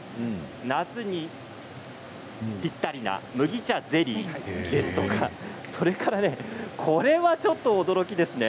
夏にぴったりな麦茶ゼリーですとかそれからこれはちょっと驚きですね。